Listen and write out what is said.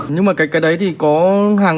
nhưng mà cái đấy thì hàng có đảm bảo không em